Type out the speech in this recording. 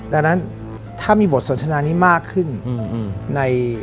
ดังนั้นถ้ามีบทสนทนานี้มากขึ้นใน